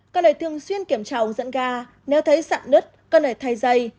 cần để thường xuyên kiểm tra ống dẫn ga nếu thấy sặn nứt cần để thay dây